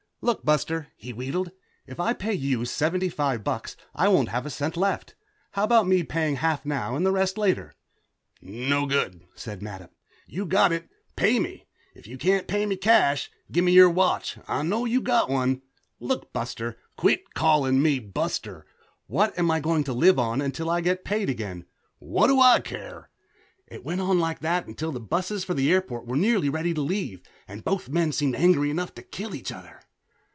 "Look, buster," he wheedled. "If I pay you seventy five bucks I won't have a cent left. How about me paying half now and the rest later?" "No good," said Mattup. "You got it pay me. If you can't pay cash gimme your watch. I know you got one." "Look, buster " "Quit callin' me buster." "What am I going to live on until I get paid again?" "What do I care?" It went on like that until the busses for the airport were nearly ready to leave and both men seemed angry enough to kill each other.